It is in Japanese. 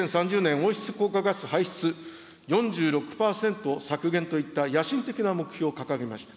温室効果ガス排出４６％削減といった野心的な目標を掲げました。